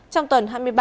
trong tuần hai mươi ba